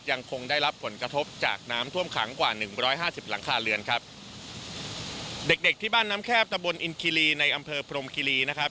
ยังคงได้รับผลกระทบจากน้ำท่วมขังกว่าหนึ่งร้อยห้าสิบหลังคาเรือนครับเด็กเด็กที่บ้านน้ำแคบตะบนอินคิรีในอำเภอพรมคิรีนะครับ